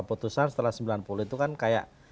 putusan setelah sembilan puluh itu kan kayak